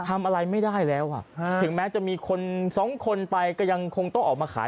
ทำอะไรไม่ได้แล้วอ่ะถึงแม้จะมีคนสองคนไปก็ยังคงต้องออกมาขาย